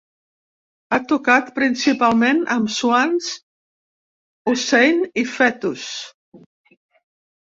Ha tocat principalment amb Swans, Unsane i Foetus.